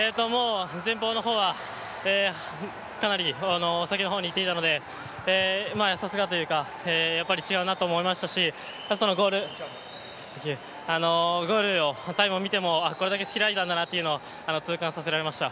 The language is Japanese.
前方の方はかなり先の方に行っていたので、さすがというか、やっぱり違うなと思いましたし、ラストのゴールタイムを見ても、これだけ開いたんだなというのを痛感させられました。